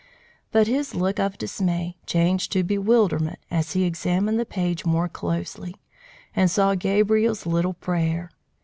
But his look of dismay changed to bewilderment as he examined the page more closely, and saw Gabriel's little prayer.